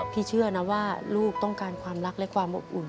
เชื่อนะว่าลูกต้องการความรักและความอบอุ่น